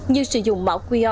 như sử dụng mẫu qr